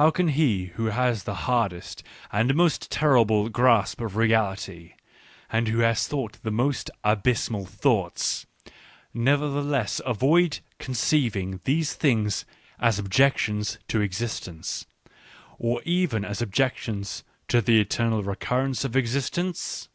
how can he who has the hardest and most terrible grasp of reality, and who has thought the most " abysmal thoughts," nevertheless avoid conceiving these things as objections to existence, or even as objections to the eternal recurrence of existence